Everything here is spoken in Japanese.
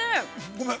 ◆ごめん。